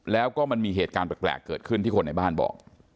แล้วก็มันมีเหตุการณ์แปลกเกิดขึ้นที่คนในบ้านบอก